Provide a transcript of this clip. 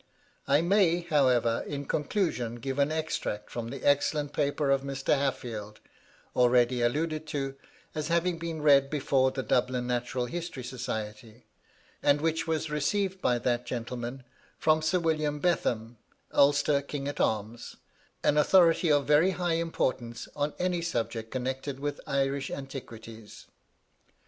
I may, however, in conclusion, give an extract from the excellent paper of Mr. Haffield, already alluded to, as having been read before the Dublin Natural History Society, and which was received by that gentleman from Sir William Betham, Ulster King at Arms, an authority of very high importance on any subject connected with Irish antiquities.